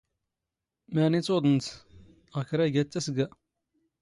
''ⵎⴰⵏⵉ ⵜⵓⴹⵏⴷ?'' ''ⴳ ⴽⵔⴰⵢⴳⴰⵜ ⵜⴰⵙⴳⴰ.''